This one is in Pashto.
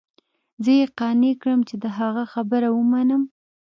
زه يې قانع کړم چې د هغه خبره ومنم.